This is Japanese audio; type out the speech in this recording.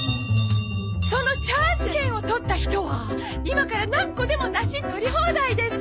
そのチャンス券を取った人は今から何個でも梨取り放題です。